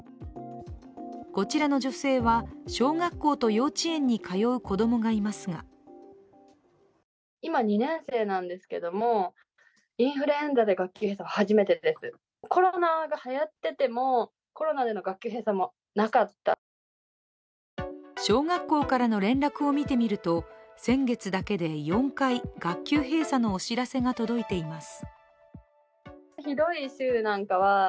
こちらの女性は、小学校と幼稚園に通う子供がいますが小学校からの連絡を見てみると先月だけで４回、学級閉鎖のお知らせが届いています。